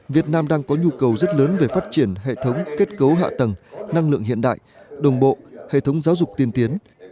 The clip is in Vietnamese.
việt nam đang có nhu cầu rất lớn về phát triển hệ thống kết cấu hạ tầng năng lượng hiện đại đồng bộ hệ thống giáo dục tiên tiến